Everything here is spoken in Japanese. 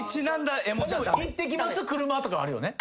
「行ってきます車」とかはあるよね？